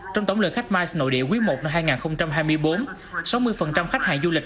trong tổng lượng khách mice nội địa quý i năm hai nghìn hai mươi bốn sáu mươi khách hàng du lịch